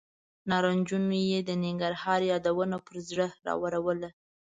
نارنجونو یې د ننګرهار یادونه پر زړه راورول.